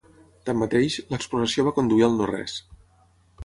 Tanmateix, l'exploració va conduir al no res.